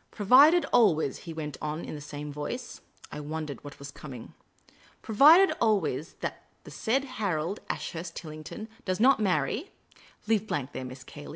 " Provided always " he went on, in the same voice. I wondered what was coming. " Provided always that the said Harold Ashurst Tillington does not marry leave a blank there, Miss Cayley.